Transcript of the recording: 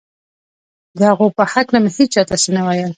د هغو په هکله مې هېچا ته څه نه ویل